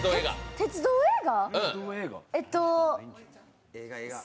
鉄道映画？